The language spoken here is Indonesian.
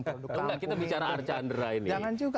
kita bicara archandra ini jangan juga